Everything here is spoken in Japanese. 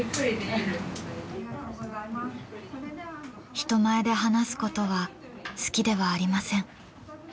人前で話すことは好きではありません。